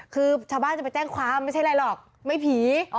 คือชาวบ้านจะไปแจ้งความไม่ใช่อะไรหรอกไม่ผี